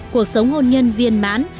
cuộc sống hôn nhân viên mãn